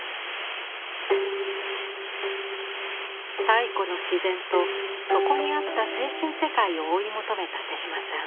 太古の自然とそこにあった精神世界を追い求めた手島さん。